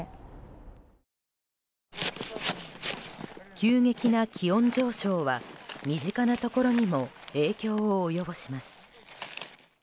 急激な気温上昇は身近なところにも影響を及ぼします。